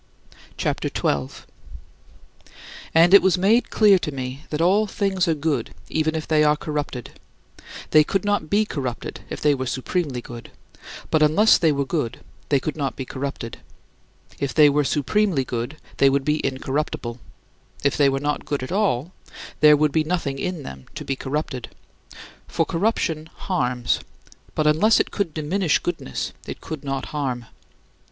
CHAPTER XII 18. And it was made clear to me that all things are good even if they are corrupted. They could not be corrupted if they were supremely good; but unless they were good they could not be corrupted. If they were supremely good, they would be incorruptible; if they were not good at all, there would be nothing in them to be corrupted. For corruption harms; but unless it could diminish goodness, it could not harm.